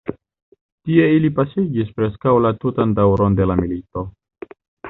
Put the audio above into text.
Tie ili pasigis preskaŭ la tutan daŭron de la milito.